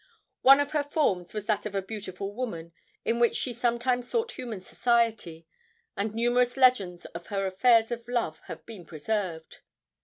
One of her forms was that of a beautiful woman, in which she sometimes sought human society, and numerous legends of her affairs of love have been preserved.